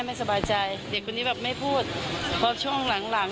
ไม่ต้องเป็นมัน